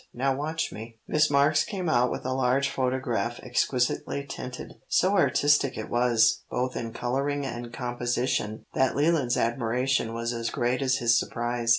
Now watch me." Miss Marks came out with a large photograph exquisitely tinted. So artistic it was, both in colouring and composition, that Leland's admiration was as great as his surprise.